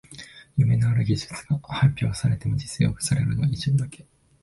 夢のある技術が発表されても実用化されるのは一部だけ